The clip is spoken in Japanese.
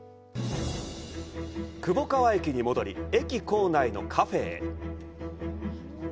窪川駅に戻り、駅構内のカフェへ。